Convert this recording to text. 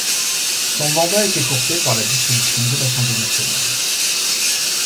Son mandat est écourté par la dissolution de l'Assemblée nationale.